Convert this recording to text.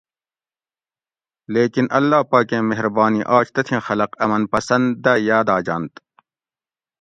لیکِن اللّٰہ پاکیں مھربانی آج تتھیں خلق امن پسند دہ یاداجنت